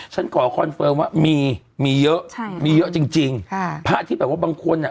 ฉันขอคอนเฟิร์มว่ามีมีเยอะใช่มีเยอะจริงจริงค่ะพระที่แบบว่าบางคนอ่ะ